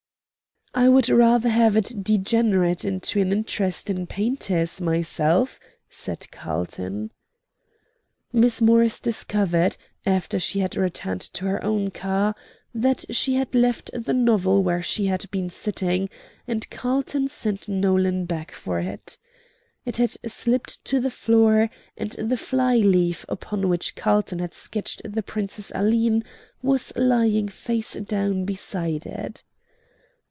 "I would rather have it degenerate into an interest in painters myself," said Carlton. Miss Morris discovered, after she had returned to her own car, that she had left the novel where she had been sitting, and Carlton sent Nolan back for it. It had slipped to the floor, and the fly leaf upon which Carlton had sketched the Princess Aline was lying face down beside it.